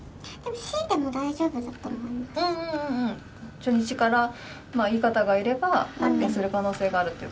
初日からいい方がいれば発展する可能性があるっていう。